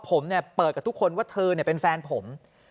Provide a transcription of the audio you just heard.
ผมเปิดกับทุกคนว่าเธอเป็นแฟนผม